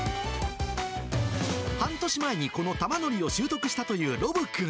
半年前にこの玉乗りを習得したというロブくん。